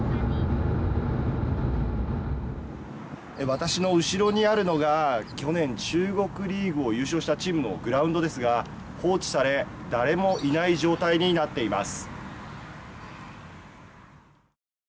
私のうしろにあるのが去年中国リーグを優勝したチームのグラウンドですが放置され、誰もいない状態となっています。